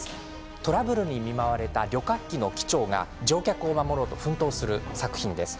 トラブルに見舞われた旅客機の機長が乗客を守ろうと奮闘する作品です。